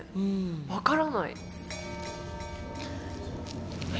分からない。